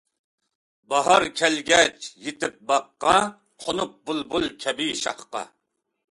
باھار كەلگەچ يېتىپ باغقا، قونۇپ بۇلبۇل كەبى شاخقا.